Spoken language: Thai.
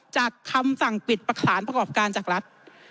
คำสั่งปิดประสานประกอบการจากรัฐ